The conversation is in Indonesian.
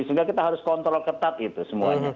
sehingga kita harus kontrol ketat itu semuanya